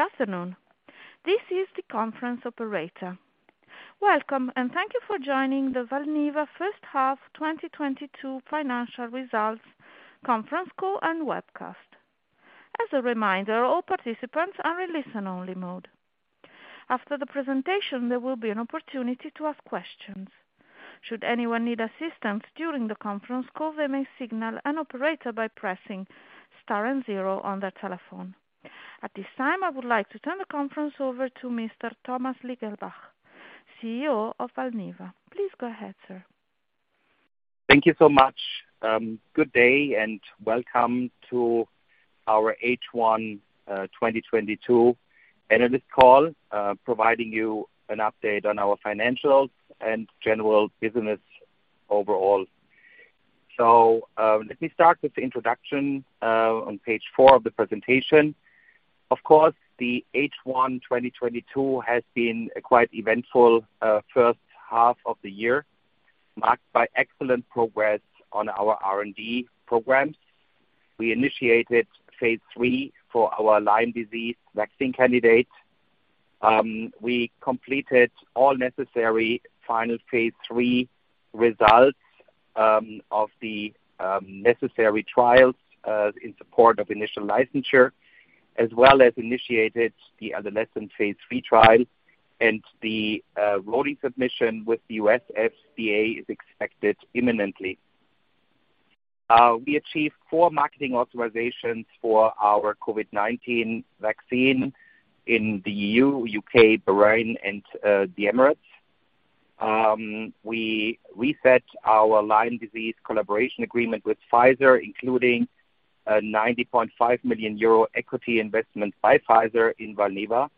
Good afternoon. This is the conference operator. Welcome, and thank you for joining the Valneva first half 2022 financial results conference call and webcast. As a reminder, all participants are in listen only mode. After the presentation, there will be an opportunity to ask questions. Should anyone need assistance during the conference call, they may signal an operator by pressing star and zero on their telephone. At this time, I would like to turn the conference over to Mr. Thomas Lingelbach, CEO of Valneva. Please go ahead, sir. Thank you so much. Good day and welcome to our H1 2022 analyst call, providing you an update on our financials and general business overall. Let me start with the introduction on page 4 of the presentation. Of course, the H1 2022 has been quite eventful, first half of the year, marked by excellent progress on our R&D programs. We initiated phase III for our Lyme disease vaccine candidate. We completed all necessary final phase III results of the necessary trials in support of initial licensure as well as initiated the adolescent phase III trial and the rolling submission with the U.S. FDA is expected imminently. We achieved 4 marketing authorizations for our COVID-19 vaccine in the EU, U.K., Bahrain and the Emirates. We reset our Lyme disease collaboration agreement with Pfizer, including a 90.5 million euro equity investment by Pfizer in Valneva.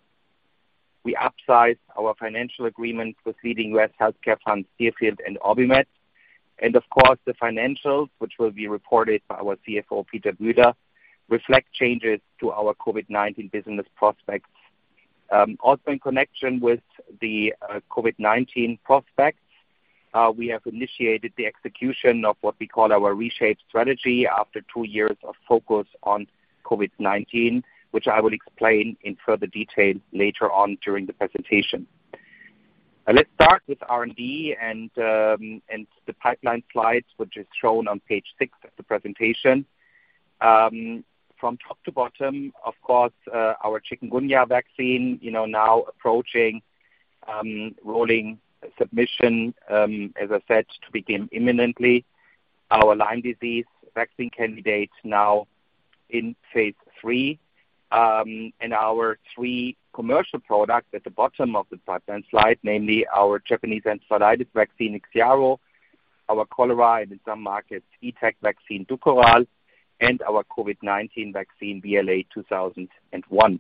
We upsized our financial agreements with leading U.S. healthcare funds, Deerfield and OrbiMed. Of course, the financials, which will be reported by our CFO, Peter Bühler, reflect changes to our COVID-19 business prospects. Also in connection with the COVID-19 prospects, we have initiated the execution of what we call our reshaped strategy after two years of focus on COVID-19, which I will explain in further detail later on during the presentation. Let's start with R&D and the pipeline slides, which is shown on page 6 of the presentation. From top to bottom, of course, our chikungunya vaccine, you know, now approaching rolling submission, as I said, to begin imminently. Our Lyme disease vaccine candidates now in phase three, and our three commercial products at the bottom of the pipeline slide, namely our Japanese encephalitis vaccine, IXIARO, our cholera, and in some markets, ETEC vaccine, DUKORAL, and our COVID-19 vaccine, VLA2001.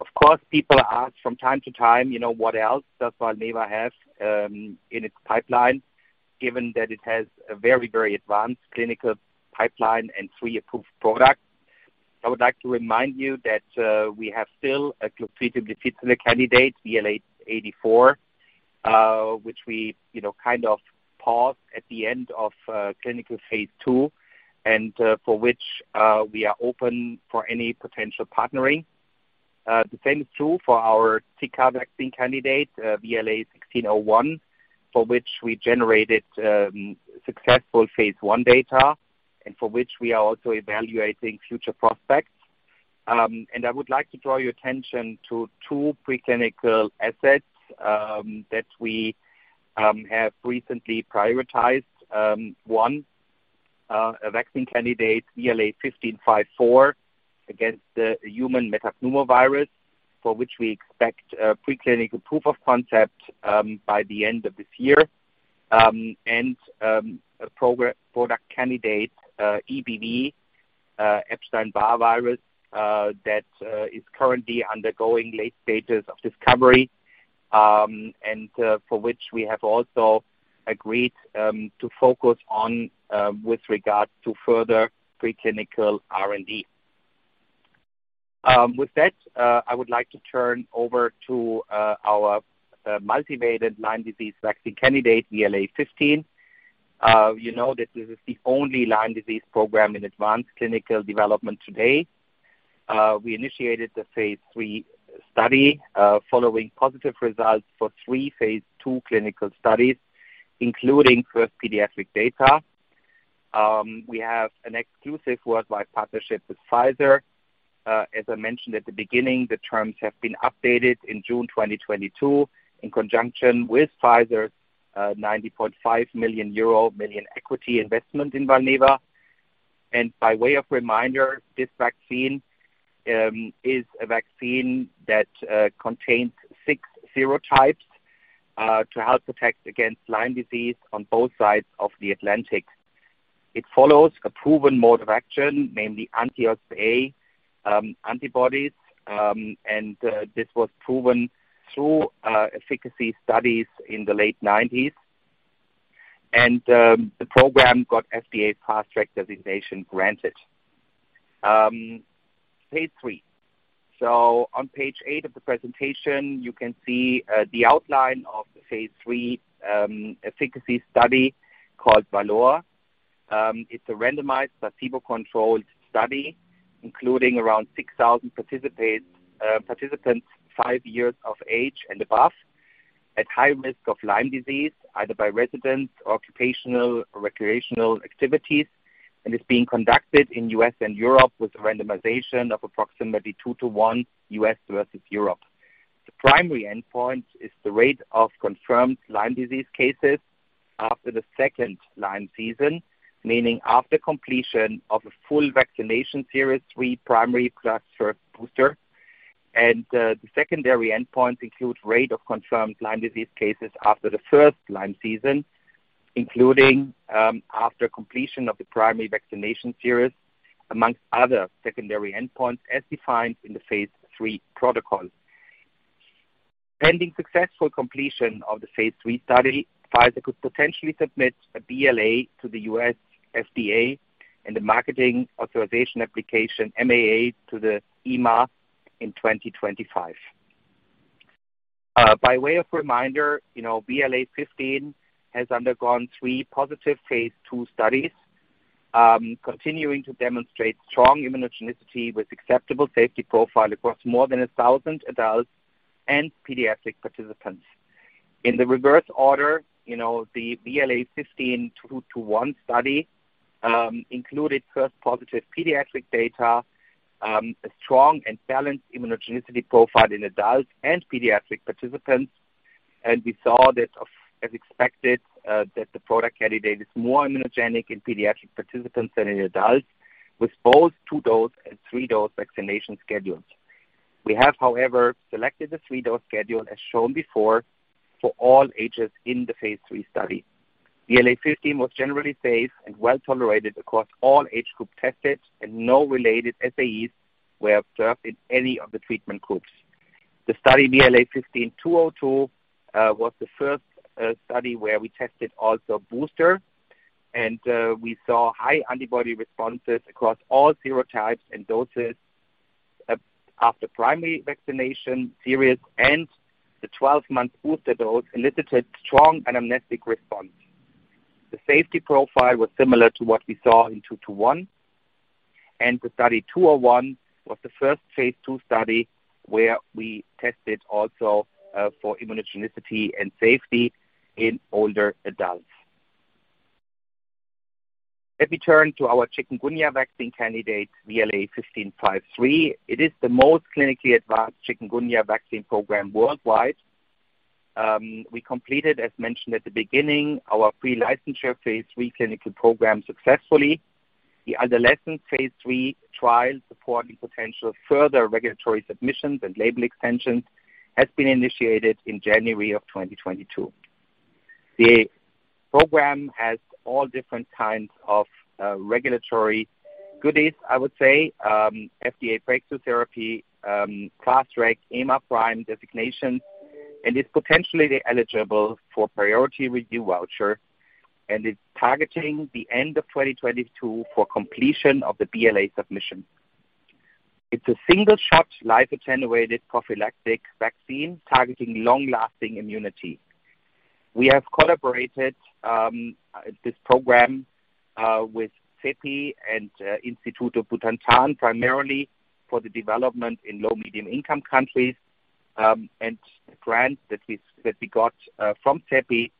Of course, people ask from time to time, you know, what else does Valneva have in its pipeline, given that it has a very, very advanced clinical pipeline and three approved products. I would like to remind you that we have still a Clostridium difficile candidate, VLA84, which we, you know, kind of paused at the end of clinical phase two and for which we are open for any potential partnering. The same is true for our Zika vaccine candidate, VLA1601, for which we generated successful phase I data and for which we are also evaluating future prospects. I would like to draw your attention to two pre-clinical assets that we have recently prioritized. One, a vaccine candidate VLA1554 against the human metapneumovirus, for which we expect pre-clinical proof of concept by the end of this year. A prophylactic product candidate, EBV, Epstein-Barr virus, that is currently undergoing late stages of discovery and for which we have also agreed to focus on with regards to further pre-clinical R&D. With that, I would like to turn over to our multivalent Lyme disease vaccine candidate VLA15. You know that this is the only Lyme disease program in advanced clinical development today. We initiated the phase III study following positive results for 3 phase II clinical studies, including first pediatric data. We have an exclusive worldwide partnership with Pfizer. As I mentioned at the beginning, the terms have been updated in June 2022 in conjunction with Pfizer's 90.5 million euro equity investment in Valneva. By way of reminder, this vaccine is a vaccine that contains 6 serotypes to help protect against Lyme disease on both sides of the Atlantic. It follows a proven mode of action, namely anti-OspA antibodies, and this was proven through efficacy studies in the late 1990s. The program got FDA Fast Track designation granted phase III. On page eight of the presentation you can see the outline of the phase III efficacy study called VALOR. It's a randomized, placebo-controlled study including around 6,000 participants 5 years of age and above at high risk of Lyme disease, either by residence or occupational or recreational activities, and is being conducted in U.S. and Europe with a randomization of approximately 2 to 1 U.S. versus Europe. The primary endpoint is the rate of confirmed Lyme disease cases after the second Lyme season, meaning after completion of a full vaccination series, 3 primary plus first booster. The secondary endpoint includes rate of confirmed Lyme disease cases after the first Lyme season, including after completion of the primary vaccination series, among other secondary endpoints as defined in the phase III protocol. Pending successful completion of the phase III study, Pfizer could potentially submit a BLA to the U.S. FDA and the Marketing Authorization Application, MAA, to the EMA in 2025. By way of reminder, you know, VLA15 has undergone three positive phase II studies, continuing to demonstrate strong immunogenicity with acceptable safety profile across more than 1,000 adults and pediatric participants. In the reverse order, you know, the VLA15-201 study included first positive pediatric data, a strong and balanced immunogenicity profile in adult and pediatric participants. We saw that, as expected, the product candidate is more immunogenic in pediatric participants than in adults, with both 2-dose and 3-dose vaccination schedules. We have, however, selected a 3-dose schedule as shown before for all ages in the phase III study. VLA15 was generally safe and well-tolerated across all age groups tested and no related SAEs were observed in any of the treatment groups. The study VLA15-202 was the first study where we tested also booster and we saw high antibody responses across all serotypes and doses after primary vaccination series and the 12-month booster dose elicited strong and anamnestic response. The safety profile was similar to what we saw in 201 and the study VLA15-201 was the first phase II study where we tested also for immunogenicity and safety in older adults. Let me turn to our chikungunya vaccine candidate, VLA1553. It is the most clinically advanced chikungunya vaccine program worldwide. We completed, as mentioned at the beginning, our pre-licensure phase III clinical program successfully. The adolescent phase three trial supporting potential further regulatory submissions and label extensions has been initiated in January 2022. The program has all different kinds of regulatory goodies, I would say, FDA Breakthrough Therapy, Fast Track, EMA PRIME designation, and is potentially eligible for priority review voucher and is targeting the end of 2022 for completion of the BLA submission. It's a single-shot, live attenuated prophylactic vaccine targeting long-lasting immunity. We have collaborated this program with CEPI and Institute Butantan, primarily for the development in low- and middle-income countries, and grants that we got from CEPI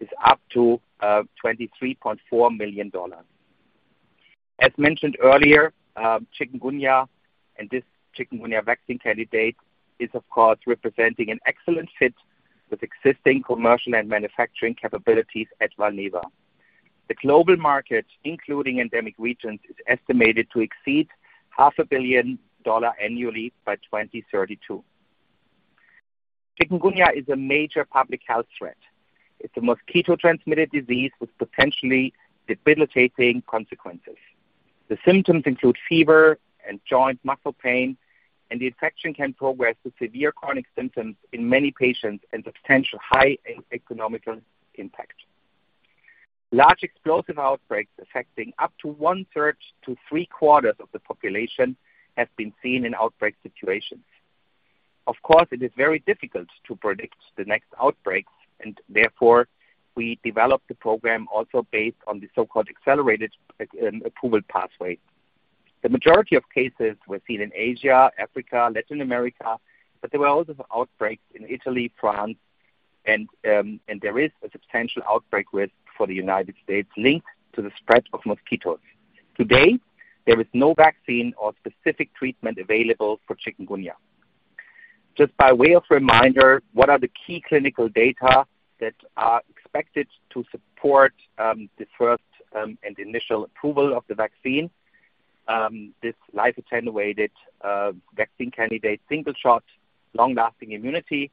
is up to $23.4 million. As mentioned earlier, chikungunya and this chikungunya vaccine candidate is, of course, representing an excellent fit with existing commercial and manufacturing capabilities at Valneva. The global market, including endemic regions, is estimated to exceed half a billion dollars annually by 2032. Chikungunya is a major public health threat. It's a mosquito-transmitted disease with potentially debilitating consequences. The symptoms include fever and joint muscle pain, and the infection can progress to severe chronic symptoms in many patients and substantial high economic impact. Large explosive outbreaks affecting up to one-third to three-quarters of the population have been seen in outbreak situations. Of course, it is very difficult to predict the next outbreaks and therefore we developed the program also based on the so-called accelerated approval pathway. The majority of cases were seen in Asia, Africa, Latin America, but there were also outbreaks in Italy, France, and there is a substantial outbreak risk for the United States linked to the spread of mosquitoes. To date, there is no vaccine or specific treatment available for chikungunya. Just by way of reminder, what are the key clinical data that are expected to support the first and initial approval of the vaccine? This live attenuated vaccine candidate, single-shot, long-lasting immunity.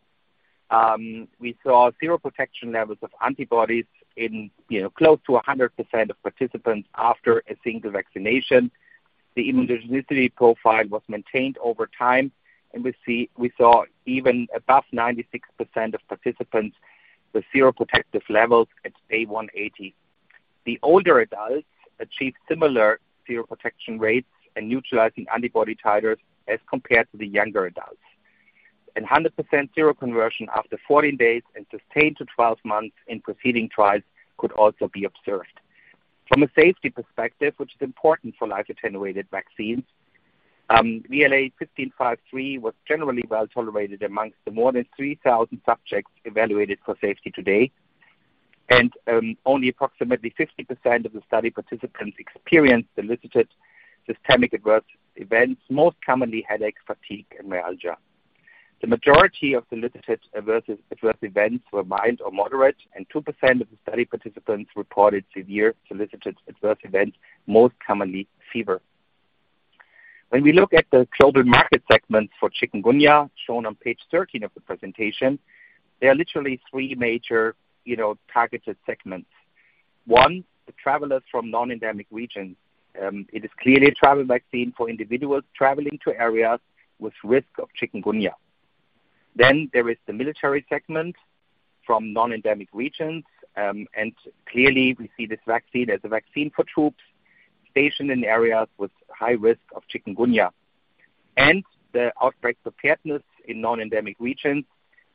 We saw seroprotection levels of antibodies in, you know, close to 100% of participants after a single vaccination. The immunogenicity profile was maintained over time, and we saw even above 96% of participants with seroprotective levels at day 180. The older adults achieved similar seroprotection rates and neutralizing antibody titers as compared to the younger adults. 100% seroconversion after 14 days and sustained to 12 months in preceding trials could also be observed. From a safety perspective, which is important for live attenuated vaccines, VLA1553 was generally well tolerated amongst the more than 3,000 subjects evaluated for safety to date. Only approximately 50% of the study participants experienced solicited systemic adverse events, most commonly headache, fatigue, and myalgia. The majority of solicited adverse events were mild or moderate, and 2% of the study participants reported severe solicited adverse events, most commonly fever. When we look at the global market segments for Chikungunya, shown on page 13 of the presentation, there are literally 3 major targeted segments. One, the travelers from non-endemic regions. It is clearly a travel vaccine for individuals traveling to areas with risk of Chikungunya. There is the military segment from non-endemic regions, and clearly we see this vaccine as a vaccine for troops stationed in areas with high risk of chikungunya. The outbreak preparedness in non-endemic regions.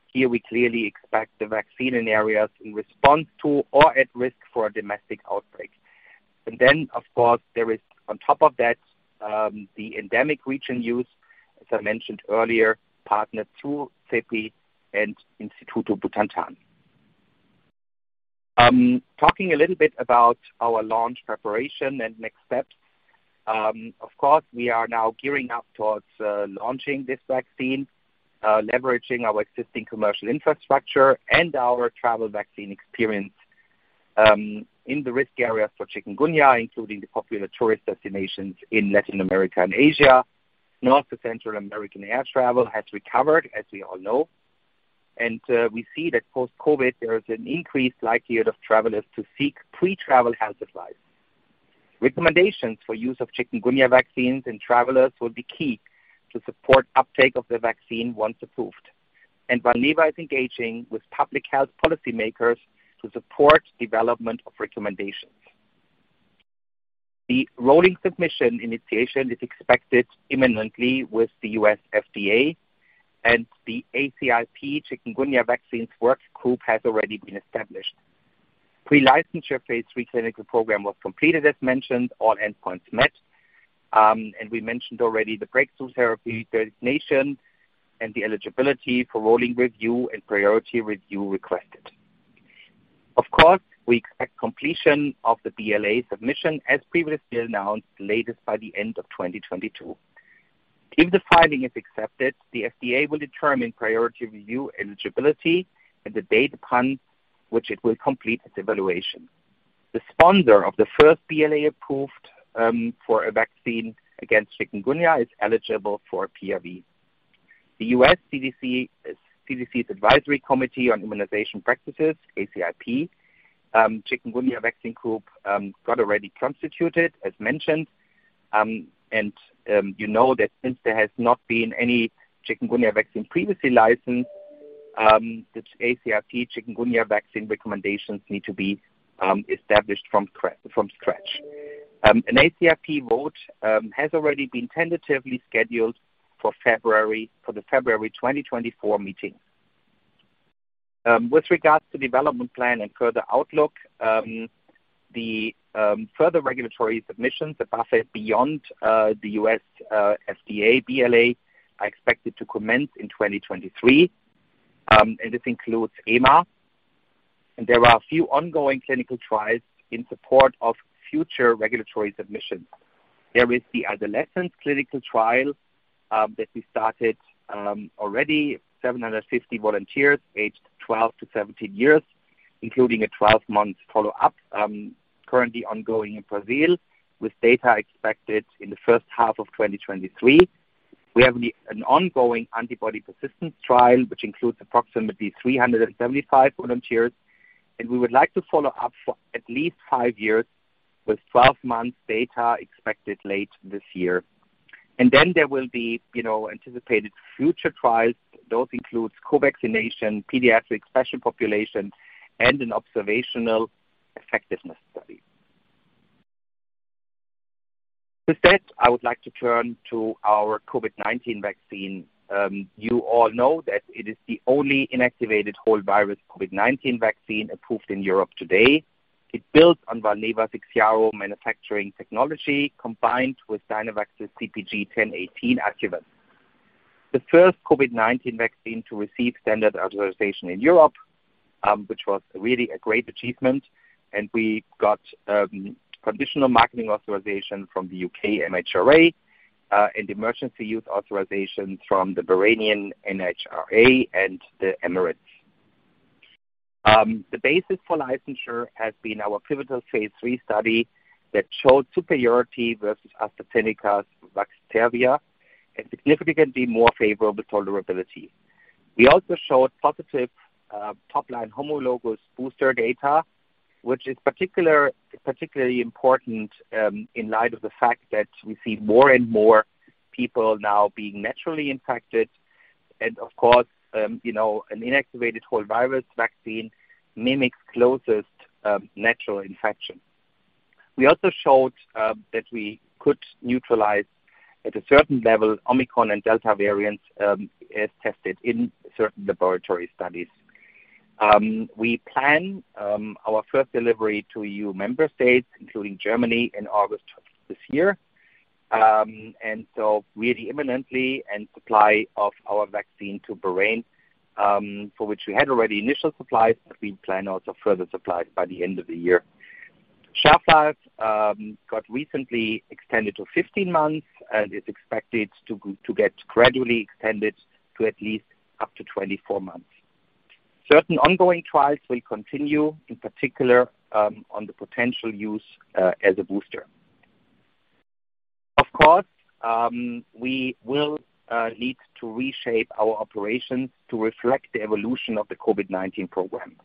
Here we clearly expect the vaccine in areas in response to or at risk for a domestic outbreak. Of course, there is on top of that the endemic region use, as I mentioned earlier, partnered through CEPI and Instituto Butantan. Talking a little bit about our launch preparation and next steps. Of course, we are now gearing up towards launching this vaccine, leveraging our existing commercial infrastructure and our travel vaccine experience, in the risk areas for chikungunya, including the popular tourist destinations in Latin America and Asia. North to Central American air travel has recovered, as we all know. We see that post-COVID, there is an increased likelihood of travelers to seek pre-travel health advice. Recommendations for use of chikungunya vaccines in travelers will be key to support uptake of the vaccine once approved. Valneva is engaging with public health policy makers to support development of recommendations. The rolling submission initiation is expected imminently with the U.S. FDA, and the ACIP Chikungunya Vaccines Work Group has already been established. Pre-licensure phase III clinical program was completed as mentioned, all endpoints met. We mentioned already the Breakthrough Therapy designation and the eligibility for rolling review and priority review requested. Of course, we expect completion of the BLA submission as previously announced, latest by the end of 2022. If the filing is accepted, the FDA will determine priority review eligibility and the date upon which it will complete its evaluation. The sponsor of the first BLA approved for a vaccine against chikungunya is eligible for PRV. The U.S. CDC's Advisory Committee on Immunization Practices, ACIP, chikungunya vaccine group, has already been constituted, as mentioned. You know that since there has not been any chikungunya vaccine previously licensed, the ACIP chikungunya vaccine recommendations need to be established from scratch. An ACIP vote has already been tentatively scheduled for the February 2024 meeting. With regards to development plan and further outlook, the further regulatory submissions, the pathway beyond the U.S. FDA BLA, are expected to commence in 2023. This includes EMA. There are a few ongoing clinical trials in support of future regulatory submissions. There is the adolescent clinical trial that we started already 750 volunteers aged 12-17 years, including a 12-month follow-up, currently ongoing in Brazil with data expected in the first half of 2023. We have an ongoing antibody persistence trial, which includes approximately 375 volunteers, and we would like to follow up for at least 5 years with 12 months data expected late this year. Then there will be, you know, anticipated future trials. Those include co-vaccination, pediatric, special population, and an observational effectiveness study. With that, I would like to turn to our COVID-19 vaccine. You all know that it is the only inactivated whole virus COVID-19 vaccine approved in Europe today. It builds on Valneva's Vero-cell manufacturing technology combined with Dynavax's CpG 1018 adjuvant. The first COVID-19 vaccine to receive standard authorization in Europe, which was really a great achievement, and we got conditional marketing authorization from the U.K. MHRA and emergency use authorization from the Bahraini NHRA and the Emirates. The basis for licensure has been our pivotal phase three study that showed superiority versus AstraZeneca's Vaxzevria and significantly more favorable tolerability. We also showed positive top-line homologous booster data, which is particularly important in light of the fact that we see more and more people now being naturally infected. Of course, you know, an inactivated whole virus vaccine mimics closest natural infection. We also showed that we could neutralize at a certain level Omicron and Delta variants as tested in certain laboratory studies. We plan our first delivery to E.U. member states, including Germany, in August this year. Really imminently and supply of our vaccine to Bahrain, for which we had already initial supplies, but we plan also further supplies by the end of the year. Shelf life got recently extended to 15 months and is expected to get gradually extended to at least up to 24 months. Certain ongoing trials will continue, in particular, on the potential use as a booster. Of course, we will need to reshape our operations to reflect the evolution of the COVID-19 program.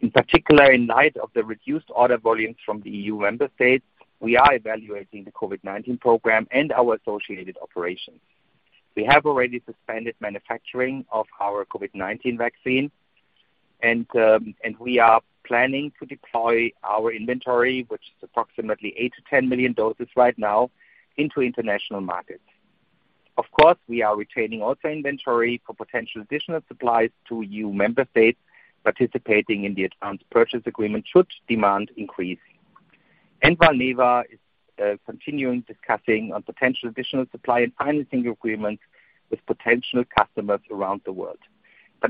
In particular, in light of the reduced order volumes from the E.U. member states, we are evaluating the COVID-19 program and our associated operations. We have already suspended manufacturing of our COVID-19 vaccine and we are planning to deploy our inventory, which is approximately 8-10 million doses right now, into international markets. Of course, we are retaining also inventory for potential additional supplies to E.U. member states participating in the advanced purchase agreement should demand increase. Valneva is continuing discussing on potential additional supply and financing agreements with potential customers around the world.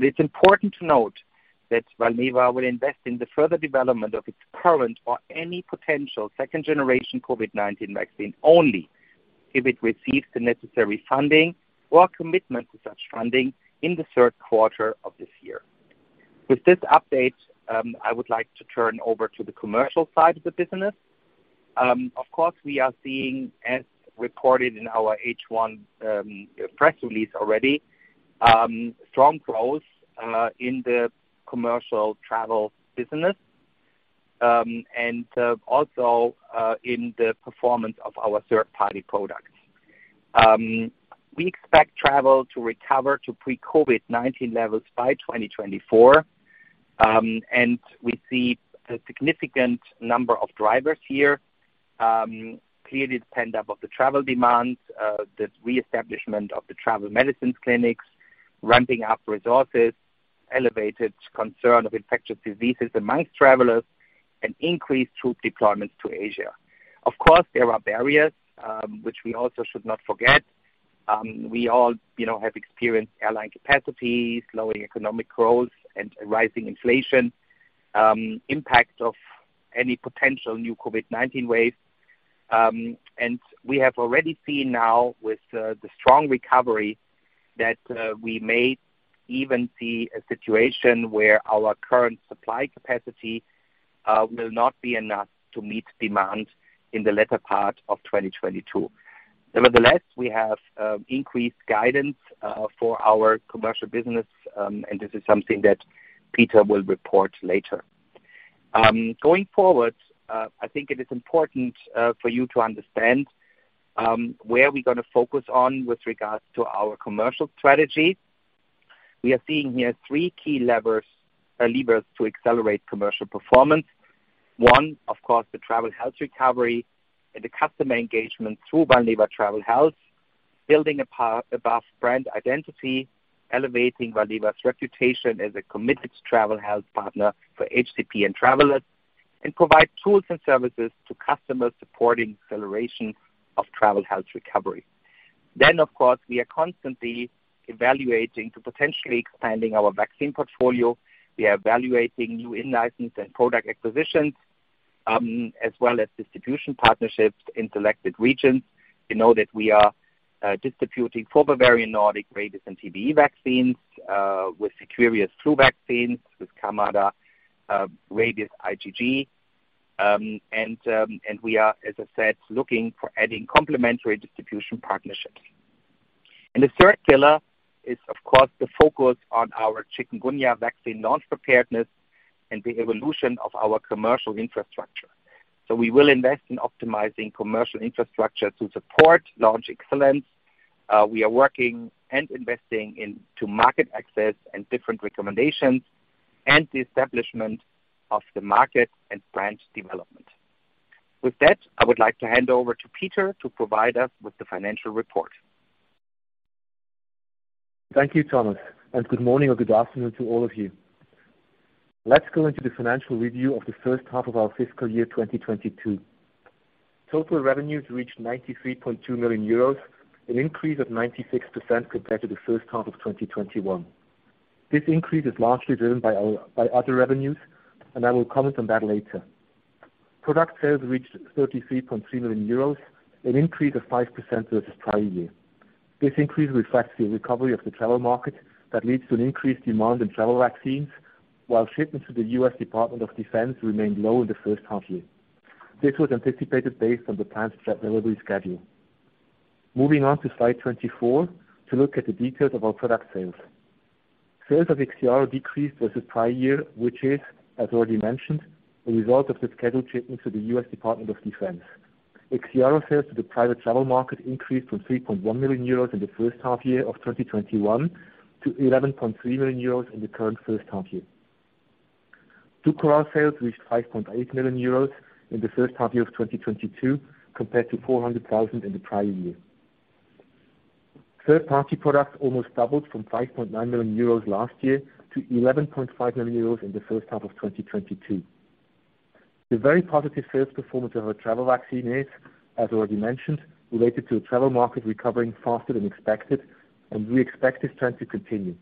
It's important to note that Valneva will invest in the further development of its current or any potential second generation COVID-19 vaccine, only if it receives the necessary funding or commitment to such funding in the third quarter of this year. With this update, I would like to turn over to the commercial side of the business. Of course, we are seeing, as reported in our H1 press release already, strong growth in the commercial travel business, and also in the performance of our third-party products. We expect travel to recover to pre-COVID-19 levels by 2024, and we see a significant number of drivers here, clearly the pent-up travel demands, the reestablishment of the travel medicine clinics, ramping up resources, elevated concern of infectious diseases among travelers, and increased troop deployments to Asia. Of course, there are barriers, which we also should not forget. We all, you know, have experienced airline capacity, slowing economic growth, and rising inflation, impact of any potential new COVID-19 wave. We have already seen now with the strong recovery that, we may even see a situation where our current supply capacity will not be enough to meet demand in the latter part of 2022. Nevertheless, we have increased guidance for our commercial business, and this is something that Peter will report later. Going forward, I think it is important for you to understand where we're gonna focus on with regards to our commercial strategy. We are seeing here three key levers to accelerate commercial performance. One, of course, the travel health recovery and the customer engagement through Valneva Travel Health, building above brand identity, elevating Valneva's reputation as a committed travel health partner for HCP and travelers, and provide tools and services to customers supporting acceleration of travel health recovery. Of course, we are constantly evaluating to potentially expanding our vaccine portfolio. We are evaluating new in-license and product acquisitions, as well as distribution partnerships in selected regions. We know that we are distributing for Bavarian Nordic rabies and TBE vaccines with Seqirus flu vaccines, with Kamada rabies IgG, and we are, as I said, looking for adding complementary distribution partnerships. The third pillar is, of course, the focus on our chikungunya vaccine launch preparedness and the evolution of our commercial infrastructure. We will invest in optimizing commercial infrastructure to support launch excellence. We are working and investing into market access and different recommendations and the establishment of the market and brand development. With that, I would like to hand over to Peter to provide us with the financial report. Thank you, Thomas, and good morning or good afternoon to all of you. Let's go into the financial review of the first half of our fiscal year 2022. Total revenues reached 93.2 million euros, an increase of 96% compared to the first half of 2021. This increase is largely driven by other revenues, and I will comment on that later. Product sales reached 33.3 million euros, an increase of 5% versus prior year. This increase reflects the recovery of the travel market that leads to an increased demand in travel vaccines while shipments to the US Department of Defense remained low in the first half year. This was anticipated based on the planned ship delivery schedule. Moving on to slide 24 to look at the details of our product sales. Sales of IXIARO decreased versus prior year, which is, as already mentioned, a result of the scheduled shipment to the US Department of Defense. IXIARO sales to the private travel market increased from 3.1 million euros in the first half year of 2021 to 11.3 million euros in the current first half year. DUKORAL sales reached 5.8 million euros in the first half year of 2022 compared to 400 thousand in the prior year. Third-party products almost doubled from 5.9 million euros last year to 11.5 million euros in the first half of 2022. The very positive sales performance of our travel vaccine is, as already mentioned, related to the travel market recovering faster than expected, and we expect this trend to continue.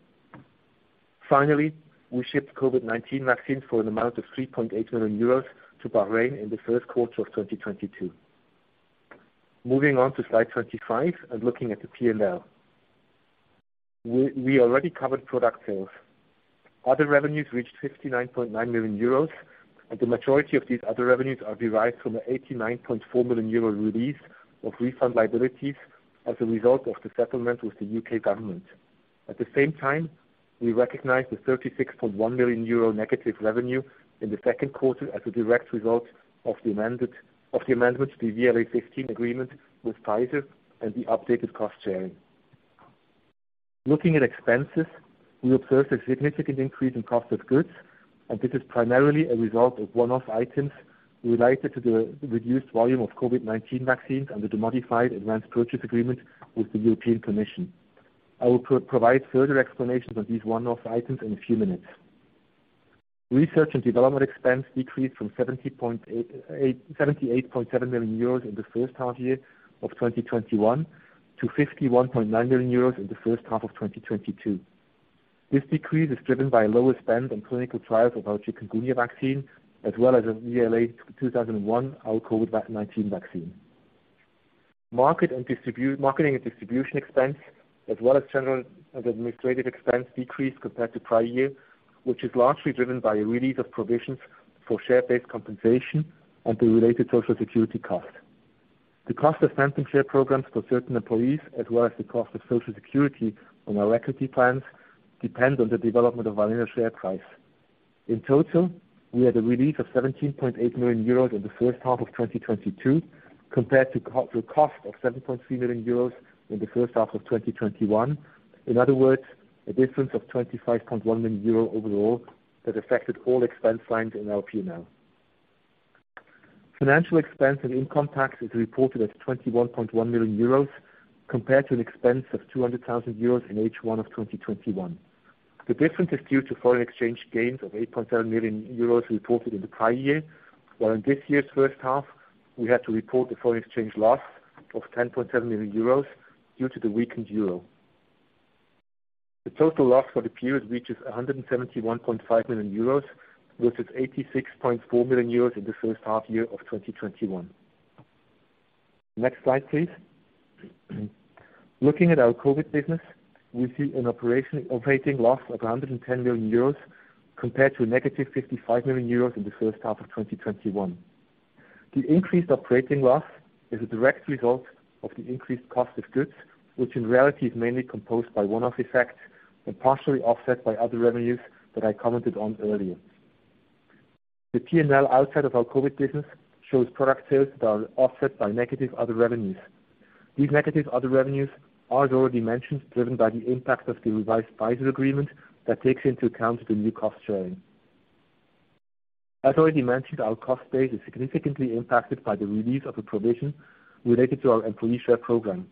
Finally, we shipped COVID-19 vaccines for an amount of 3.8 million euros to Bahrain in the first quarter of 2022. Moving on to slide 25 and looking at the P&L. We already covered product sales. Other revenues reached 59.9 million euros, and the majority of these other revenues are derived from the 89.4 million euro release of refund liabilities as a result of the settlement with the U.K. government. At the same time, we recognize the 36.1 million euro negative revenue in the second quarter as a direct result of the amendments to the VLA15 agreement with Pfizer and the updated cost sharing. Looking at expenses, we observe a significant increase in cost of goods, and this is primarily a result of one-off items related to the reduced volume of COVID-19 vaccines under the modified advanced purchase agreement with the European Commission. I will provide further explanations on these one-off items in a few minutes. Research and development expense decreased from 78.7 million euros in the first half year of 2021 to 51.9 million euros in the first half of 2022. This decrease is driven by lower spend on clinical trials of our Chikungunya vaccine, as well as our VLA2001, our COVID-19 vaccine. Marketing and distribution expense, as well as general and administrative expense decreased compared to prior year, which is largely driven by a release of provisions for share-based compensation and the related social security cost. The cost of phantom share programs for certain employees, as well as the cost of social security on our equity plans, depend on the development of our linear share price. In total, we had a release of 17.8 million euros in the first half of 2022, compared to the cost of 7.3 million euros in the first half of 2021. In other words, a difference of 25.1 million euros overall that affected all expense lines in our P&L. Financial expense and income tax is reported at 21.1 million euros compared to an expense of 200 thousand euros in H1 of 2021. The difference is due to foreign exchange gains of 8.7 million euros reported in the prior year, while in this year's first half, we had to report the foreign exchange loss of 10.7 million euros due to the weakened euro. The total loss for the period reaches 171.5 million euros versus 86.4 million euros in the first half of 2021. Next slide, please. Looking at our COVID business, we see an operating loss of 110 million euros compared to a negative 55 million euros in the first half of 2021. The increased operating loss is a direct result of the increased cost of goods, which in reality is mainly composed of one-off effects and partially offset by other revenues that I commented on earlier. The P&L outside of our COVID business shows product sales that are offset by negative other revenues. These negative other revenues are as already mentioned, driven by the impact of the revised Pfizer agreement that takes into account the new cost sharing. As already mentioned, our cost base is significantly impacted by the release of a provision related to our employee share program.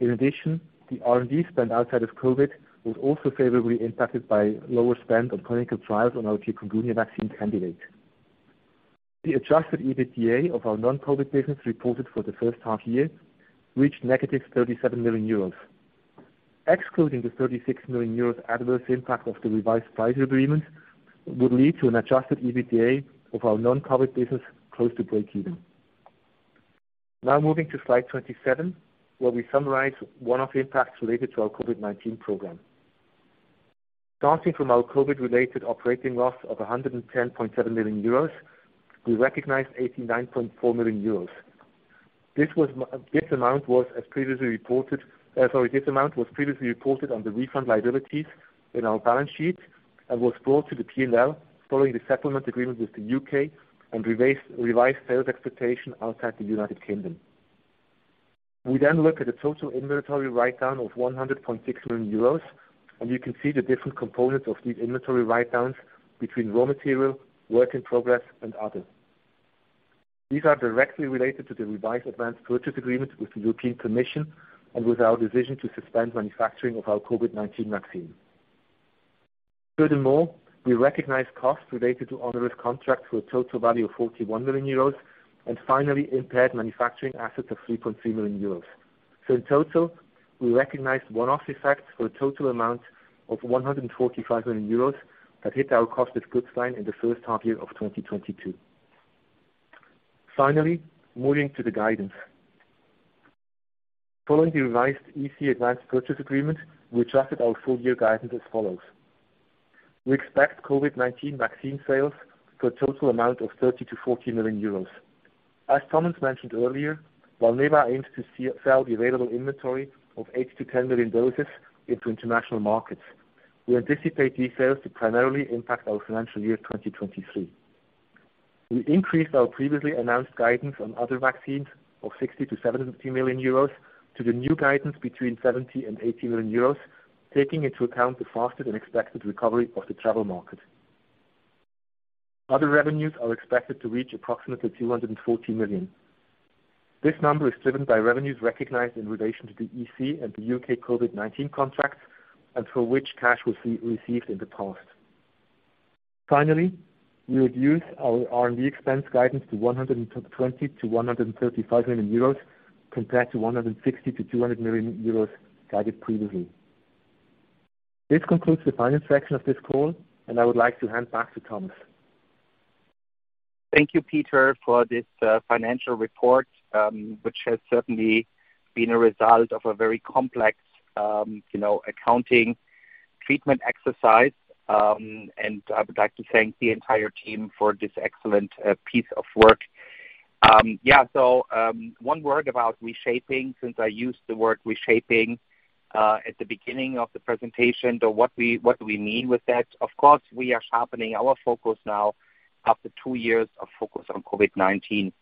In addition, the R&D spend outside of COVID was also favorably impacted by lower spend on clinical trials on our Chikungunya vaccine candidate. The adjusted EBITDA of our non-COVID business reported for the first half year reached -37 million euros. Excluding the 36 million euros adverse impact of the revised Pfizer agreement would lead to an adjusted EBITDA of our non-COVID business close to breakeven. Now moving to slide 27, where we summarize one-off impacts related to our COVID-19 program. Starting from our COVID-related operating loss of 110.7 million euros, we recognized 89.4 million euros. This amount was previously reported on the refund liabilities in our balance sheet and was brought to the P&L following the settlement agreement with the UK and revised sales expectation outside the United Kingdom. We look at a total inventory write-down of 100.6 million euros, and you can see the different components of these inventory write-downs between raw material, work in progress, and other. These are directly related to the revised advanced purchase agreement with the European Commission and with our decision to suspend manufacturing of our COVID-19 vaccine. Furthermore, we recognize costs related to onerous contracts with a total value of 41 million euros and finally impaired manufacturing assets of 3.3 million euros. In total, we recognized one-off effects for a total amount of 145 million euros that hit our cost of goods line in the first half year of 2022. Finally, moving to the guidance. Following the revised EC advanced purchase agreement, we adjusted our full year guidance as follows. We expect COVID-19 vaccine sales for a total amount of 30 million-40 million euros. As Thomas mentioned earlier, Valneva aims to sell the available inventory of 8-10 million doses into international markets. We anticipate these sales to primarily impact our financial year 2023. We increased our previously announced guidance on other vaccines of 60-70 million euros to the new guidance between 70-80 million euros, taking into account the faster than expected recovery of the travel market. Other revenues are expected to reach approximately 240 million. This number is driven by revenues recognized in relation to the EC and the U.K. COVID-19 contract and for which cash was received in the past. Finally, we reduced our R&D expense guidance to 120-135 million euros compared to 160-200 million euros guided previously. This concludes the finance section of this call, and I would like to hand back to Thomas. Thank you, Peter, for this financial report, which has certainly been a result of a very complex, you know, accounting treatment exercise. I would like to thank the entire team for this excellent piece of work., one word about reshaping since I used the word reshaping at the beginning of the presentation. What do we mean with that? Of course, we are sharpening our focus now after two years of focus on COVID-19.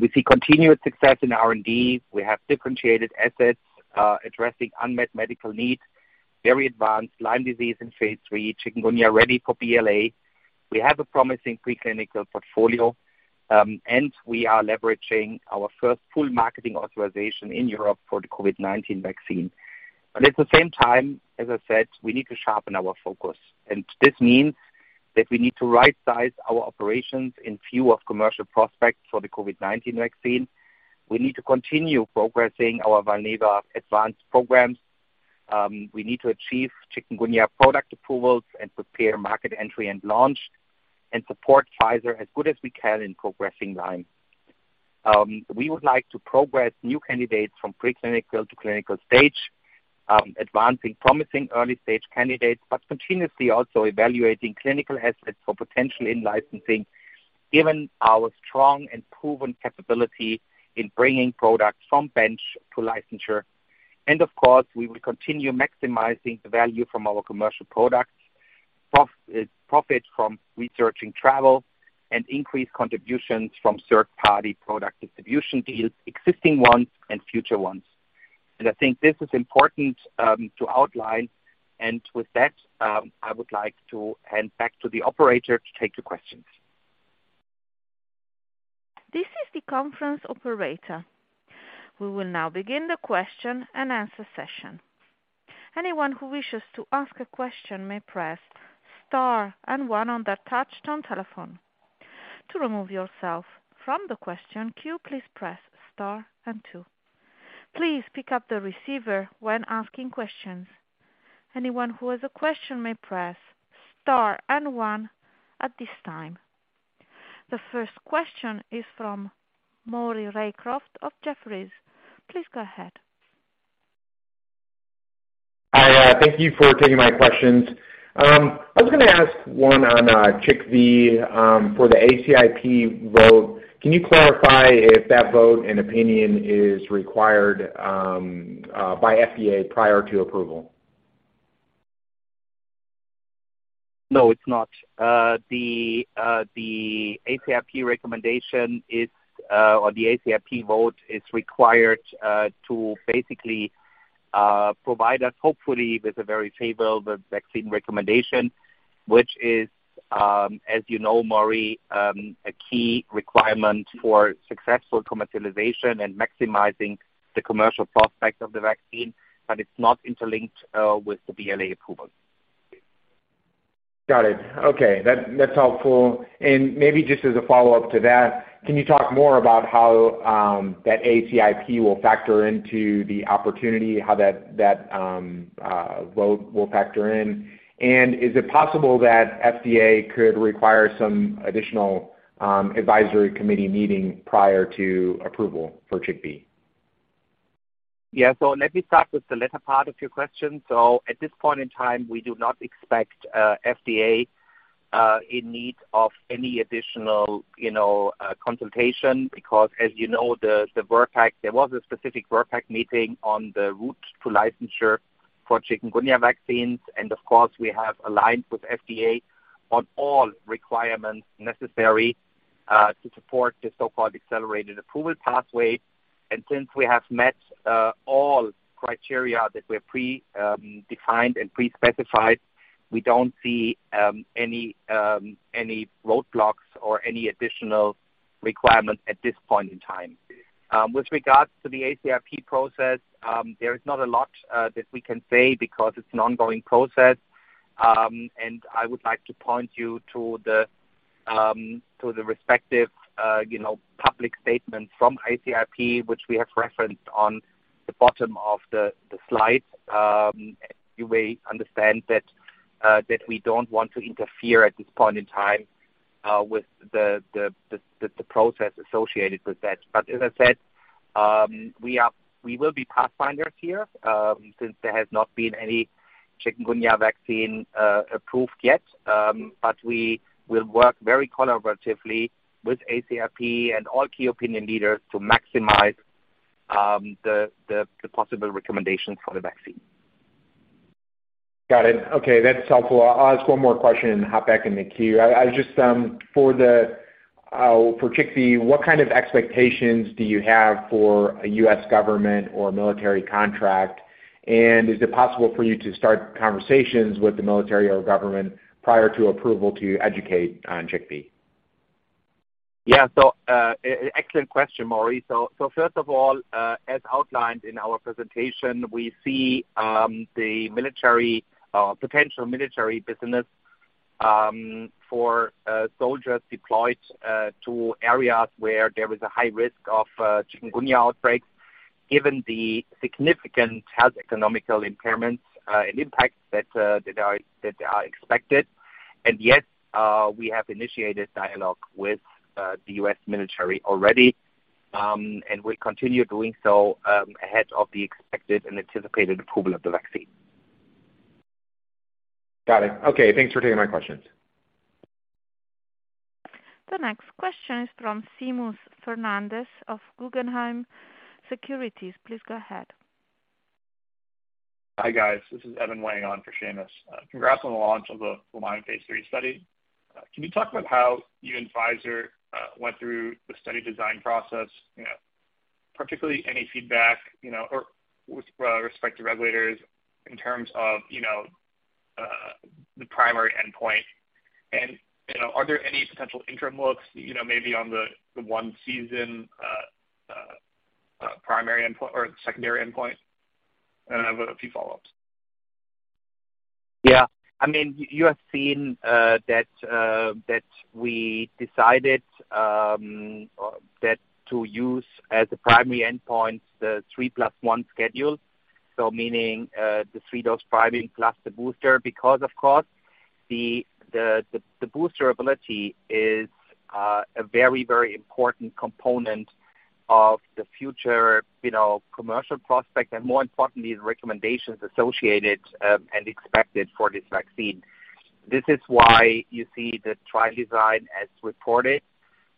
We see continued success in R&D. We have differentiated assets addressing unmet medical needs, very advanced Lyme disease in phase three, chikungunya ready for BLA. We have a promising pre-clinical portfolio, and we are leveraging our first full marketing authorization in Europe for the COVID-19 vaccine. At the same time, as I said, we need to sharpen our focus, and this means that we need to rightsize our operations in view of commercial prospects for the COVID-19 vaccine. We need to continue progressing our Valneva advanced programs. We need to achieve Chikungunya product approvals and prepare market entry and launch and support Pfizer as good as we can in progressing Lyme. We would like to progress new candidates from preclinical to clinical stage, advancing promising early-stage candidates, but continuously also evaluating clinical assets for potential in-licensing, given our strong and proven capability in bringing products from bench to licensure. Of course, we will continue maximizing the value from our commercial products, profits from our travel vaccines, and increase contributions from third-party product distribution deals, existing ones and future ones. I think this is important to outline. With that, I would like to hand back to the operator to take the questions. This is the conference operator. We will now begin the question and answer session. Anyone who wishes to ask a question may press * and 1 on their touch tone telephone. To remove yourself from the question queue, please press * and 2. Please pick up the receiver when asking questions. Anyone who has a question may press * and 1 at this time. The first question is from Maury Raycroft of Jefferies. Please go ahead. Hi. Thank you for taking my questions. I was gonna ask one on ChikV for the ACIP vote. Can you clarify if that vote and opinion is required by FDA prior to approval? No, it's not. The ACIP recommendation is, or the ACIP vote is required, to basically provide us, hopefully, with a very favorable vaccine recommendation, which is, as you know, Maury, a key requirement for successful commercialization and maximizing the commercial prospect of the vaccine, but it's not interlinked with the BLA approval. Got it. Okay. That's helpful. Maybe just as a follow-up to that, can you talk more about how that ACIP will factor into the opportunity, how that vote will factor in? Is it possible that FDA could require some additional advisory committee meeting prior to approval for ChikV? Let me start with the latter part of your question. At this point in time, we do not expect FDA in need of any additional, you know, consultation because as you know, the VRBPAC, there was a specific VRBPAC meeting on the route to licensure for chikungunya vaccines. Of course, we have aligned with FDA on all requirements necessary to support the so-called accelerated approval pathway. Since we have met all criteria that were predefined and pre-specified, we don't see any roadblocks or any additional requirements at this point in time. With regards to the ACIP process, there is not a lot that we can say because it's an ongoing process. I would like to point you to the respective, you know, public statement from ACIP, which we have referenced on the bottom of the slide. You may understand that we don't want to interfere at this point in time with the process associated with that. As I said, we will be pathfinders here, since there has not been any chikungunya vaccine approved yet. We will work very collaboratively with ACIP and all key opinion leaders to maximize the possible recommendations for the vaccine. Got it. Okay, that's helpful. I'll ask one more question and hop back in the queue. I was just for ChikV, what kind of expectations do you have for a U.S. government or military contract? Is it possible for you to start conversations with the military or government prior to approval to educate on ChikV? Excellent question, Maury. First of all, as outlined in our presentation, we see the military potential military business for soldiers deployed to areas where there is a high risk of Chikungunya outbreaks, given the significant health-economic impairments and impacts that are expected. Yes, we have initiated dialogue with the U.S. military already, and we continue doing so ahead of the expected and anticipated approval of the vaccine. Got it. Okay. Thanks for taking my questions. The next question is from Seamus Fernandez of Guggenheim Securities. Please go ahead. Hi, guys. This is Evan weighing in for Seamus. Congrats on the launch of the Lyme phase three study. Can you talk about how you and Pfizer went through the study design process, you know, particularly any feedback, you know, or with respect to regulators in terms of, you know, the primary endpoint? You know, are there any potential interim looks, you know, maybe on the one season primary endpoint or secondary endpoint? I have a few follow-ups. I mean, you have seen that we decided to use as the primary endpoint the 3 + 1 schedule. Meaning, the 3-dose priming plus the booster because, of course, the booster ability is a very, very important component of the future, you know, commercial prospect and, more importantly, the recommendations associated and expected for this vaccine. This is why you see the trial design as reported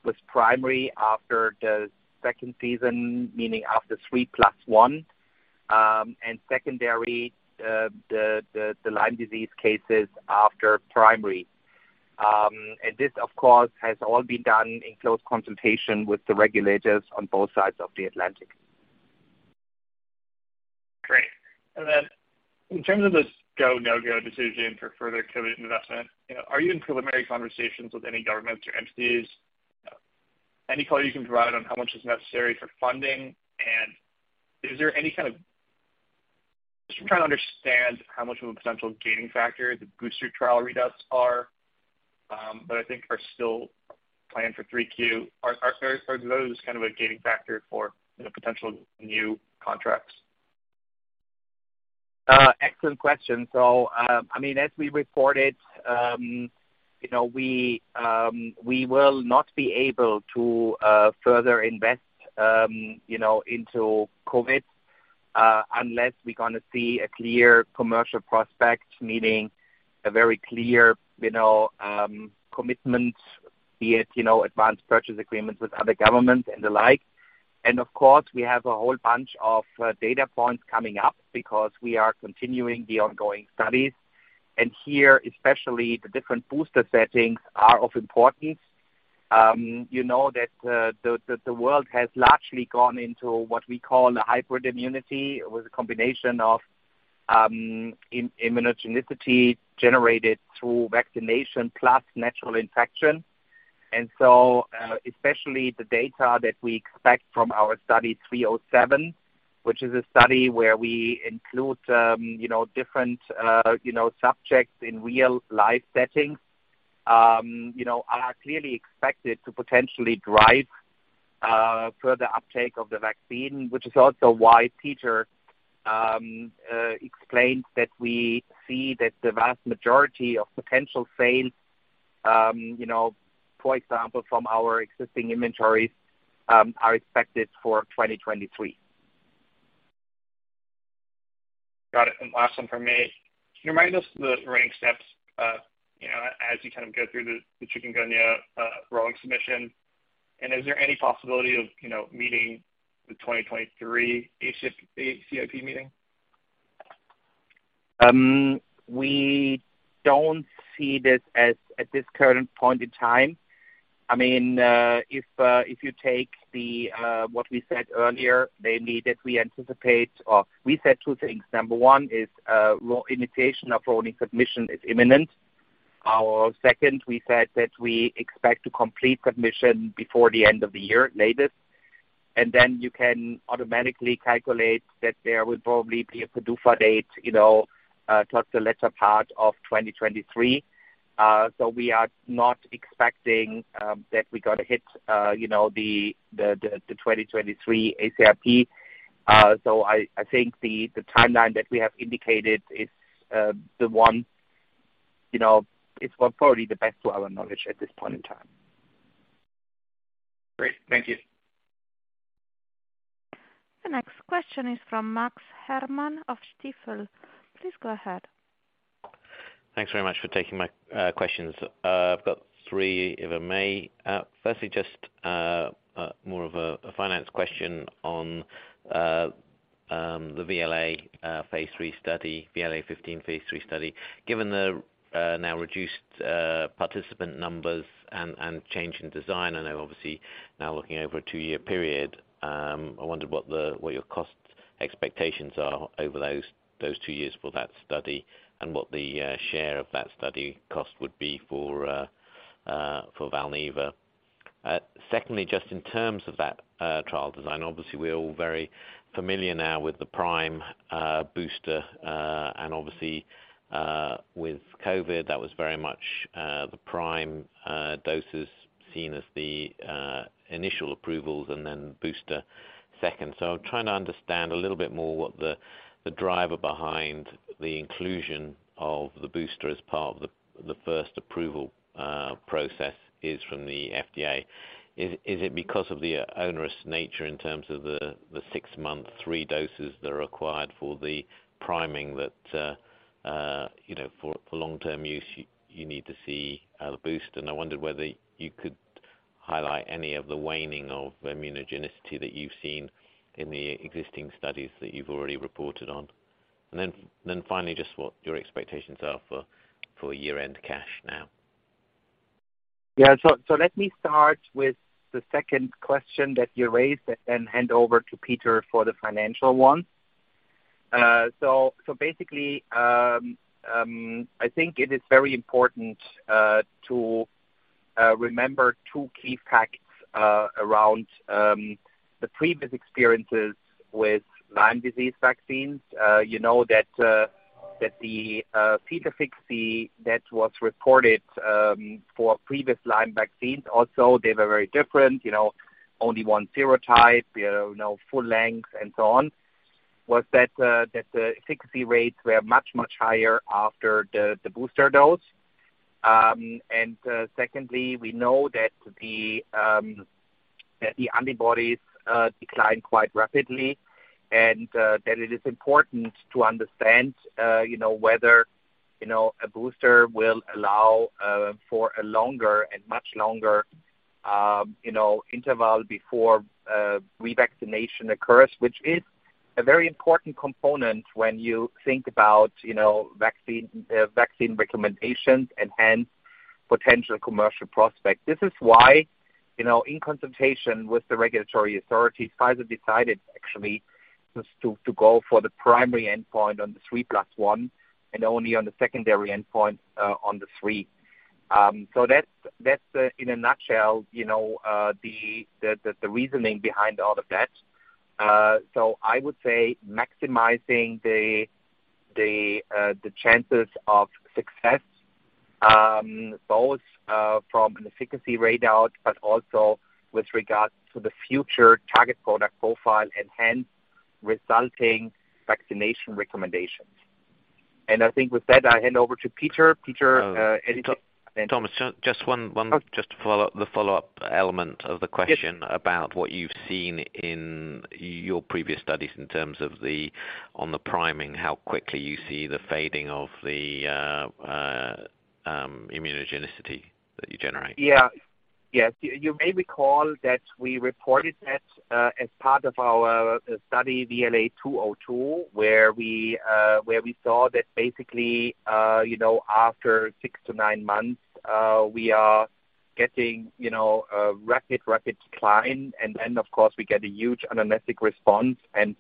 was primary after the second season, meaning after 3 + 1, and secondary the Lyme disease cases after primary. This, of course, has all been done in close consultation with the regulators on both sides of the Atlantic. Great. In terms of this go, no-go decision for further COVID investment, you know, are you in preliminary conversations with any governments or entities? Any color you can provide on how much is necessary for funding? Just trying to understand how much of a potential gating factor the booster trial readouts are, but I think are still planned for 3Q. Are those kind of a gating factor for, you know, potential new contracts? Excellent question. I mean, as we reported, you know, we will not be able to further invest, you know, into COVID, unless we're gonna see a clear commercial prospect, meaning a very clear, you know, commitment, be it, you know, advanced purchase agreements with other governments and the like. Of course, we have a whole bunch of data points coming up because we are continuing the ongoing studies. Here, especially the different booster settings are of importance. You know that the world has largely gone into what we call a hybrid immunity with a combination of immunogenicity generated through vaccination plus natural infection. Especially the data that we expect from our VLA2001-307, which is a study where we include, you know, different, you know, subjects in real-life settings, you know, are clearly expected to potentially drive further uptake of the vaccine, which is also why Peter Bühler explained that we see that the vast majority of potential sales, you know, for example, from our existing inventories, are expected for 2023. Got it. Last one from me. Can you remind us the remaining steps, you know, as you kind of go through the Chikungunya rolling submission? Is there any possibility of meeting the 2023 ACIP meeting? We don't see this as at this current point in time. I mean, if you take what we said earlier, namely that we anticipate or we said two things. Number one is, our initiation of rolling submission is imminent. Second, we said that we expect to complete submission before the end of the year latest. You can automatically calculate that there will probably be a PDUFA date, you know, towards the latter part of 2023. We are not expecting that we're gonna hit, you know, the 2023 ACIP. I think the timeline that we have indicated is the one, you know, is what probably the best to our knowledge at this point in time. Great. Thank you. The next question is from Max Herrmann of Stifel. Please go ahead. Thanks very much for taking my questions. I've got three, if I may. Firstly, just more of a finance question on the VLA15 phase III study. Given the now reduced participant numbers and change in design, I know obviously now looking over a two-year period. I wondered what your cost expectations are over those two years for that study and what the share of that study cost would be for Valneva. Secondly, just in terms of that trial design, obviously we're all very familiar now with the prime booster and obviously with COVID, that was very much the prime doses seen as the initial approvals and then booster second. I'm trying to understand a little bit more what the driver behind the inclusion of the booster as part of the first approval process is from the FDA. Is it because of the onerous nature in terms of the six month three doses that are required for the priming that for long-term use you need to see a boost? I wondered whether you could highlight any of the waning of immunogenicity that you've seen in the existing studies that you've already reported on. Then finally just what your expectations are for year-end cash now. Let me start with the second question that you raised and then hand over to Peter for the financial one. Basically, I think it is very important to remember two key facts around the previous experiences with Lyme disease vaccines. You know that the efficacy that was reported for previous Lyme vaccines, also, they were very different, you know, only one serotype, you know, full length and so on, was that the efficacy rates were much higher after the booster dose. Secondly, we know that the antibodies decline quite rapidly and that it is important to understand you know whether you know a booster will allow for a longer and much longer you know interval before revaccination occurs, which is a very important component when you think about you know vaccine recommendations and potential commercial prospect. This is why you know in consultation with the regulatory authorities, Pfizer decided actually just to go for the primary endpoint on the three plus one and only on the secondary endpoint on the three. That's in a nutshell you know the reasoning behind all of that. I would say maximizing the chances of success, both from an efficacy readout, but also with regards to the future target product profile and hence resulting vaccination recommendations. I think with that, I hand over to Peter. Peter, anything? Thomas, just one. Okay. Just to follow up, the follow-up element of the question. Yes. about what you've seen in your previous studies in terms of the on the priming, how quickly you see the fading of the immunogenicity that you generate? Yes. You may recall that we reported that as part of our study VLA15-202, where we saw that basically you know after 6-9 months we are getting you know a rapid decline. Then of course we get a huge anamnestic response and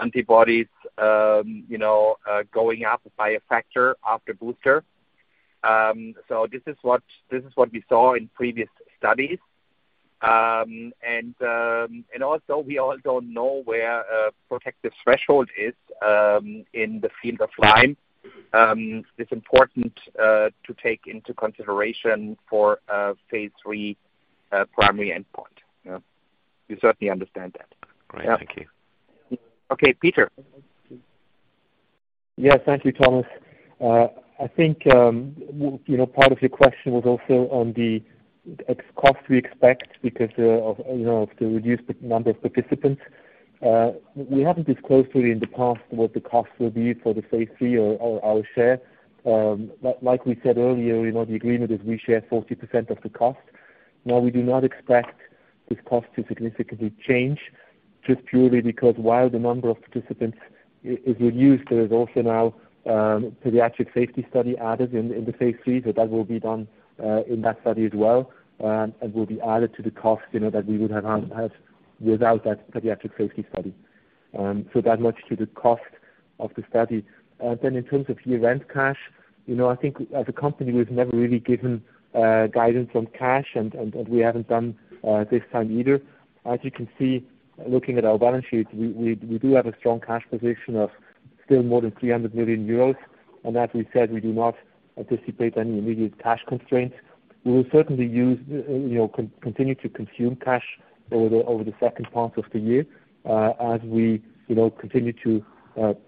antibodies you know going up by a factor after booster. This is what we saw in previous studies. And also we know where a protective threshold is in the field of Lyme. It's important to take into consideration for a phase III primary endpoint.. We certainly understand that. Great. Thank you. Okay, Peter. Thank you, Thomas. I think, you know, part of your question was also on the cost we expect because of, you know, of the reduced number of participants. We haven't disclosed really in the past what the cost will be for the phase III or our share. Like we said earlier, you know, the agreement is we share 40% of the cost. Now we do not expect this cost to significantly change just purely because while the number of participants is reduced, there is also now pediatric safety study added in the phase III. That will be done in that study as well. And will be added to the cost, you know, that we would have had without that pediatric safety study. That much to the cost of the study. In terms of year-end cash, you know, I think as a company we've never really given guidance on cash and we haven't done this time either. As you can see, looking at our balance sheets, we do have a strong cash position of still more than 300 million euros. As we said, we do not anticipate any immediate cash constraints. We will certainly use, you know, continue to consume cash over the second part of the year, as we, you know, continue to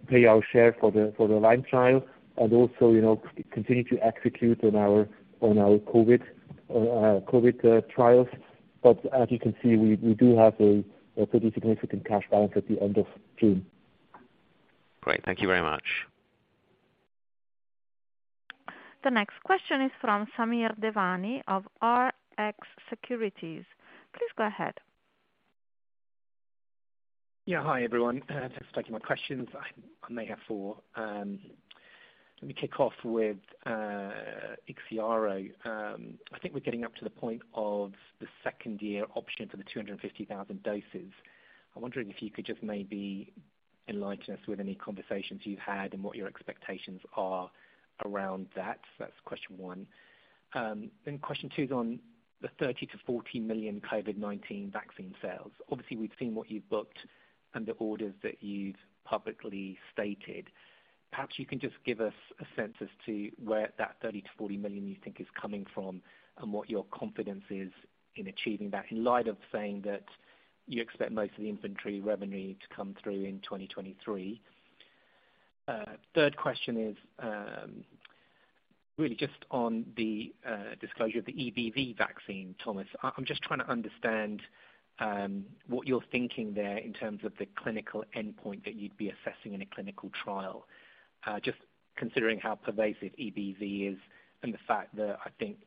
pay our share for the Lyme trial and also, you know, continue to execute on our COVID trials. As you can see, we do have a pretty significant cash balance at the end of June. Great. Thank you very much. The next question is from Samir Devani of Rx Securities. Please go ahead. Hi, everyone. Thanks for taking my questions. I may have four. Let me kick off with IXIARO. I think we're getting up to the point of the second year option for the 250,000 doses. I'm wondering if you could just maybe enlighten us with any conversations you've had and what your expectations are around that. That's question one. Then question two is on the 30-40 million COVID-19 vaccine sales. Obviously, we've seen what you've booked and the orders that you've publicly stated. Perhaps you can just give us a sense as to where that 30-40 million you think is coming from and what your confidence is in achieving that, in light of saying that you expect most of the inventory revenue to come through in 2023. Third question is really just on the disclosure of the EBV vaccine, Thomas. I'm just trying to understand what you're thinking there in terms of the clinical endpoint that you'd be assessing in a clinical trial. Just considering how pervasive EBV is and the fact that I think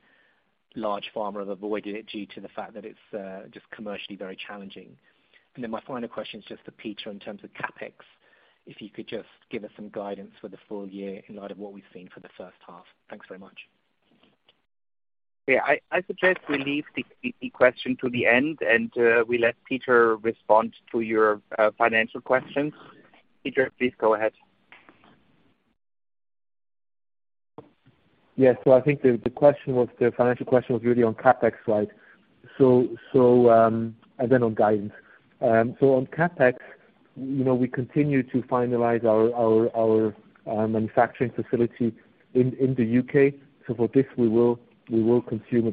large pharma have avoided it due to the fact that it's just commercially very challenging. My final question is just to Peter in terms of CapEx, if you could just give us some guidance for the full year in light of what we've seen for the first half. Thanks very much. I suggest we leave the question to the end, and we let Peter respond to your financial questions. Peter, please go ahead. Yes. I think the question was, the financial question was really on CapEx, right? Then on guidance. On CapEx, you know, we continue to finalize our manufacturing facility in the U.K. For this, we will consume a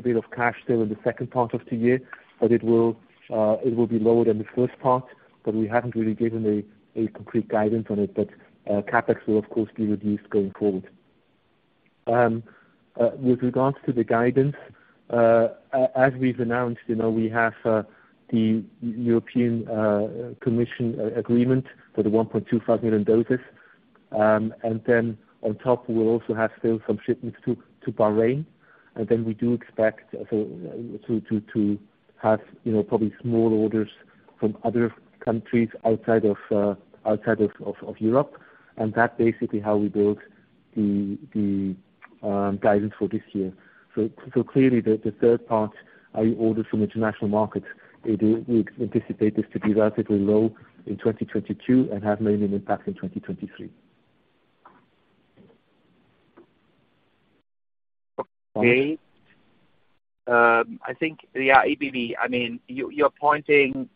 bit of cash there in the second part of the year. It will be lower than the first part, but we haven't really given a complete guidance on it. CapEx will of course be reduced going forward. With regards to the guidance, as we've announced, you know, we have the European Commission agreement for the 1.25 million doses. On top, we'll also have still some shipments to Bahrain, and then we do expect to have, you know, probably small orders from other countries outside of Europe. That's basically how we build the guidance for this year. Clearly, the third part are your orders from international markets. We anticipate this to be relatively low in 2022 and have minimum impact in 2023. Okay. I think, EBV, I mean, you're pointing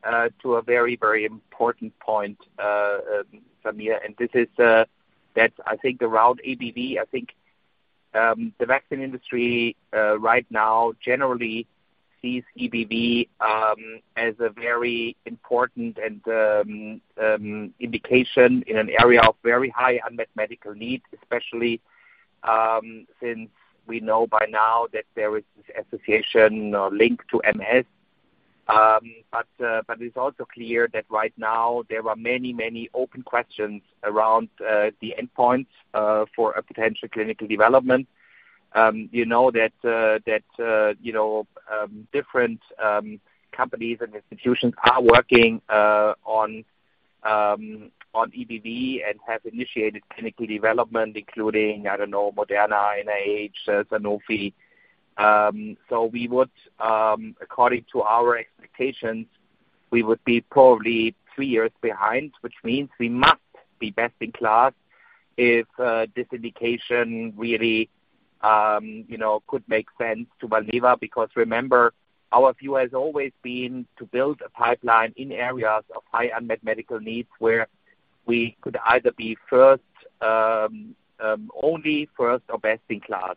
to a very, very important point, Samir. This is that I think around EBV, I think the vaccine industry right now generally sees EBV as a very important and indication in an area of very high unmet medical needs, especially since we know by now that there is this association or link to MS. It's also clear that right now there are many, many open questions around the endpoints for a potential clinical development. You know that different companies and institutions are working on EBV and have initiated clinical development, including, I don't know, Moderna, NIH, Sanofi. According to our expectations, we would be probably three years behind, which means we must be best in class if this indication really you know could make sense to Valneva. Because remember, our view has always been to build a pipeline in areas of high unmet medical needs, where we could either be first only first or best in class.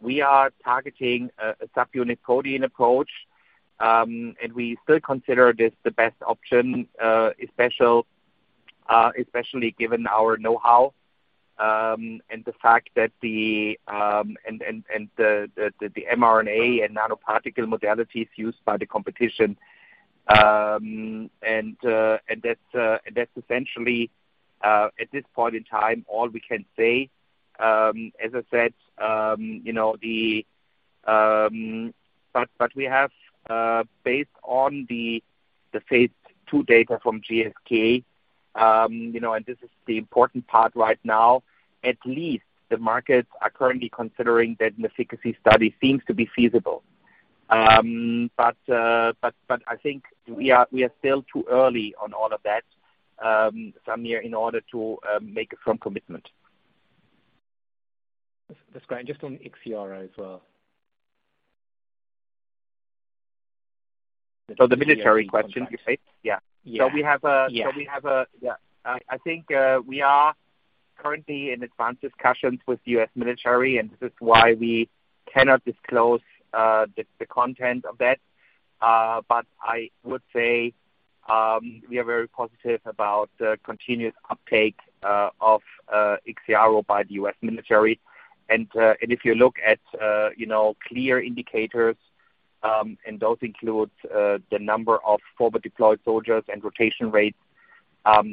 We are targeting a subunit coding approach, and we still consider this the best option, especially given our know-how, and the fact that the mRNA and nanoparticle modalities used by the competition. That's essentially at this point in time all we can say. We have based on the phase II data from GSK, you know, and this is the important part right now, at least the markets are currently considering that an efficacy study seems to be feasible. I think we are still too early on all of that, Samir, in order to make a firm commitment. That's great. Just on IXIARO as well. The military question, you say? We have I think we are currently in advanced discussions with U.S. military, and this is why we cannot disclose the content of that. But I would say we are very positive about the continuous uptake of IXIARO by the U.S. military. If you look at you know clear indicators, and those include the number of forward deployed soldiers and rotation rates,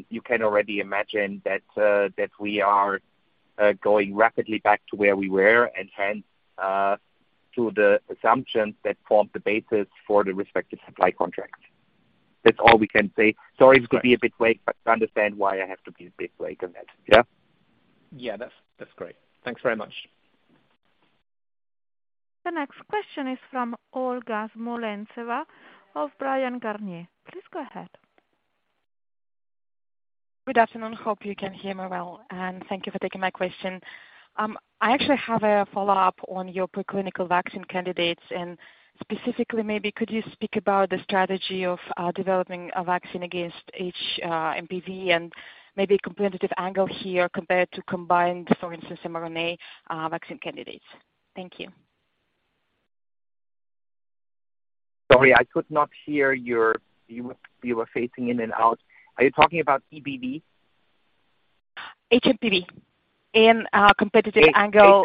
you can already imagine that we are going rapidly back to where we were and hence to the assumptions that form the basis for the respective supply contract. That's all we can say. Sorry, it's gonna be a bit vague, but you understand why I have to be a bit vague on that.? That's great. Thanks very much. The next question is from Olga Smolentseva of Bryan Garnier. Please go ahead. Good afternoon. Hope you can hear me well, and thank you for taking my question. I actually have a follow-up on your preclinical vaccine candidates, and specifically, maybe could you speak about the strategy of developing a vaccine against HMPV and maybe a competitive angle here compared to combined, for instance, mRNA vaccine candidates? Thank you. Sorry, I could not hear you. You were fading in and out. Are you talking about EBV? HMPV and competitive angle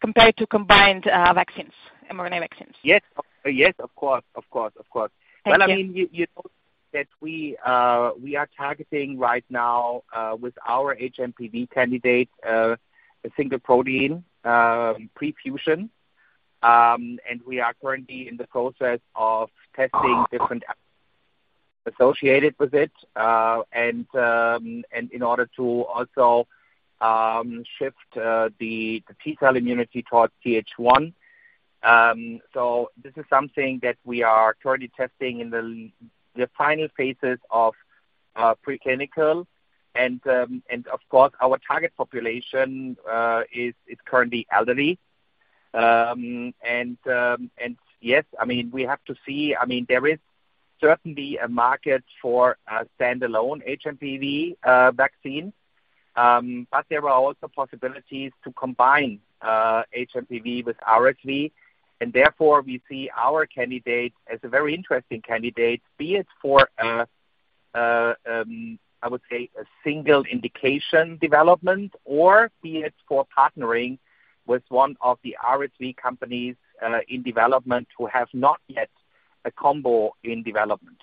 compared to combined vaccines, mRNA vaccines. Yes, of course. Thank you. Well, I mean, you know that we are targeting right now, with our HMPV candidate, a single protein pre-fusion. We are currently in the process of testing different adjuvants associated with it, and in order to also shift the T cell immunity towards Th1. This is something that we are currently testing in the final phases of preclinical, and of course our target population is currently elderly. Yes, I mean, we have to see. I mean, there is certainly a market for a standalone HMPV vaccine, but there are also possibilities to combine HMPV with RSV, and therefore we see our candidate as a very interesting candidate, be it for, I would say a single indication development or be it for partnering with one of the RSV companies in development who have not yet a combo in development.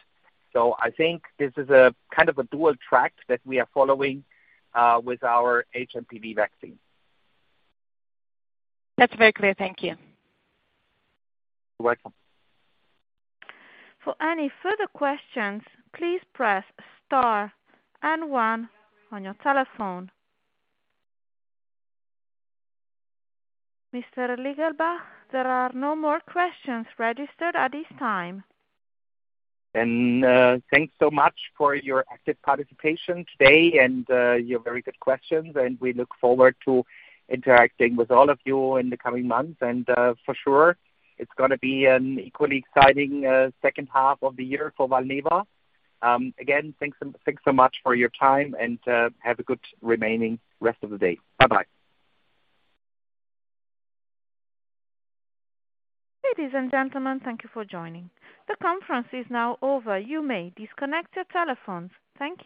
I think this is a kind of a dual track that we are following with our HMPV vaccine. That's very clear. Thank you. You're welcome. For any further questions, please press star and one on your telephone. Mr. Lingelbach, there are no more questions registered at this time. Thanks so much for your active participation today and your very good questions, and we look forward to interacting with all of you in the coming months. For sure it's gonna be an equally exciting second half of the year for Valneva. Again, thanks so much for your time and have a good remaining rest of the day. Bye-bye. Ladies and gentlemen, thank you for joining. The conference is now over. You may disconnect your telephones. Thank you.